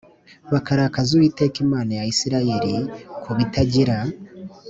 bakarakaza Uwiteka Imana ya Isirayeli ku bitagira